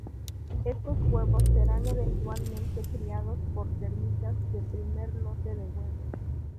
Estos huevos serán eventualmente criados por termitas del primer lote de huevos.